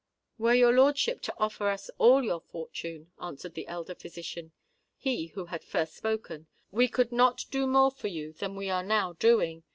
"Were your lordship to offer us all your fortune," answered the elder physician—he who had first spoken,—"we could not do more for you than we are now doing.